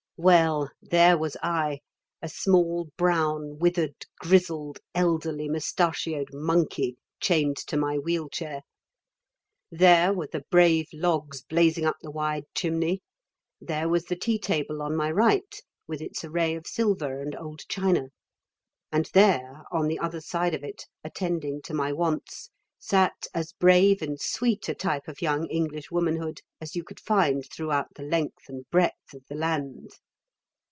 Well, there was I, a small, brown, withered, grizzled, elderly, mustachioed monkey, chained to my wheel chair; there were the brave logs blazing up the wide chimney; there was the tea table on my right with its array of silver and old china; and there, on the other side of it, attending to my wants, sat as brave and sweet a type of young English womanhood as you could find throughout the length and breadth of the land.